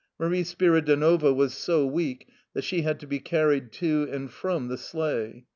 Marie Spirldonova was so weak that she had to be carried to and from the sleigh.